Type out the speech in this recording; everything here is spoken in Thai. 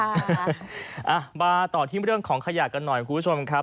อ่ะมาต่อที่เรื่องของขยะกันหน่อยคุณผู้ชมครับ